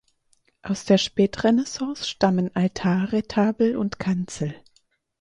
Aus der Spätrenaissance stammen Altarretabel und Kanzel.